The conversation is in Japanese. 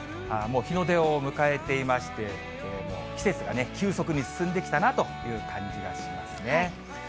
もう日の出を迎えていまして、季節が急速に進んできたなという感じがしますね。